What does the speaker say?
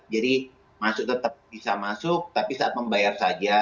jadi masuk tetap bisa masuk tapi saat membayar saja